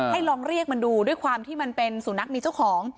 ลองเรียกมันดูด้วยความที่มันเป็นสุนัขมีเจ้าของ